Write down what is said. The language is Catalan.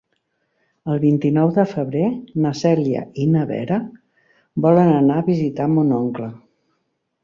El vint-i-nou de febrer na Cèlia i na Vera volen anar a visitar mon oncle.